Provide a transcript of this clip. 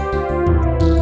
masih di pasar